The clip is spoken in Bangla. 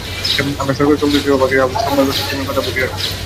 আমরা সরকারসহ সংশ্লিষ্ট সবার কাছে আহ্বান জানাই, সংবাদপত্র বিতরণে বাধা পরিহার করুন।